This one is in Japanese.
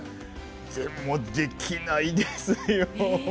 でも、できないですよ。